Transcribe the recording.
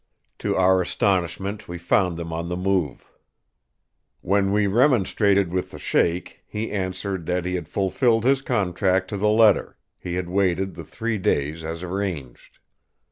To our astonishment we found them on the move. When we remonstrated with the Sheik, he answered that he had fulfilled his contract to the letter; he had waited the three days as arranged.